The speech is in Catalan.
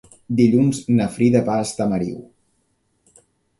Dilluns na Frida va a Estamariu.